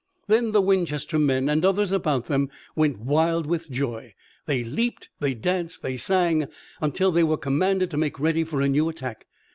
Then the Winchester men and others about them went wild with joy. They leaped, they danced, they sang, until they were commanded to make ready for a new attack.